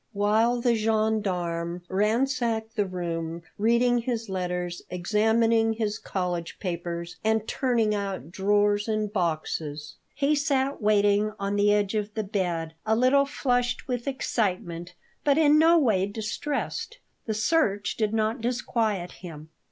While the gendarmes ransacked the room, reading his letters, examining his college papers, and turning out drawers and boxes, he sat waiting on the edge of the bed, a little flushed with excitement, but in no way distressed. The search did not disquiet him.